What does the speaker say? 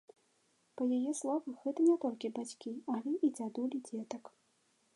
Па яе словах, гэта не толькі бацькі, але і дзядулі дзетак.